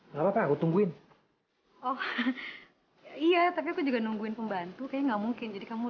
nungguin oh iya tapi aku juga nungguin pembantu kayak nggak mungkin jadi kamu